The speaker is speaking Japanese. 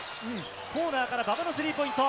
コーナーから馬場のスリーポイント。